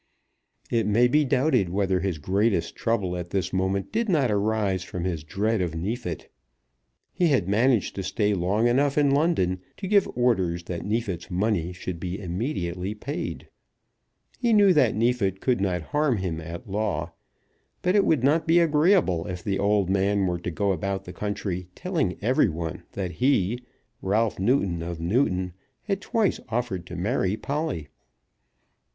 It may be doubted whether his greatest trouble at this moment did not arise from his dread of Neefit. He had managed to stay long enough in London to give orders that Neefit's money should be immediately paid. He knew that Neefit could not harm him at law; but it would not be agreeable if the old man were to go about the country telling everyone that he, Ralph Newton of Newton, had twice offered to marry Polly.